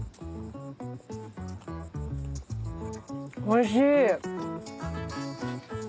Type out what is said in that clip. おいしい。